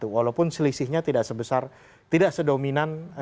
walaupun selisihnya tidak sebesar tidak sedominan